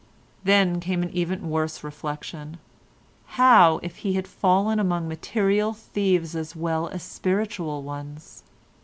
Then came an even worse reflection; how if he had fallen among material thieves as well as spiritual ones?